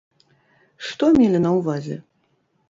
Што мелі на ўвазе?